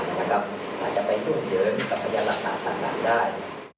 แล้วก็ควรจะไปหยุดเยอะก็ประยะราคาต่างได้